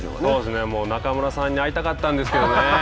もう中村さんに会いたかったんですけどね。